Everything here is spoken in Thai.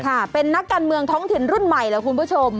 ค่ะเป็นนักการเมืองท้องถิ่นรุ่นใหม่เหรอคุณผู้ชม